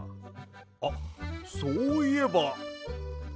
あっそういえば！